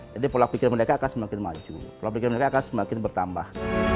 jadi pola pikir mereka akan semakin maju pola pikir mereka akan semakin bertambah